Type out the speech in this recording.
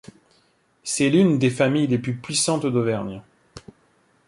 C'est l'une des familles les plus puissantes d'Auvergne.